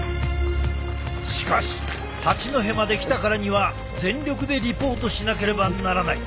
しかし八戸まで来たからには全力でリポートしなければならない。